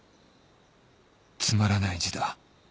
つまらない字だ